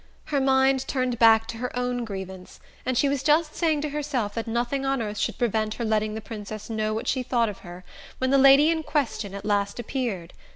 Her mind turned back to her own grievance, and she was just saying to herself that nothing on earth should prevent her letting the Princess know what she thought of her, when the lady in question at last appeared.